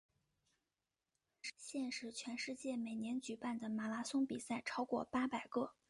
现时全世界每年举行的马拉松比赛超过八百个。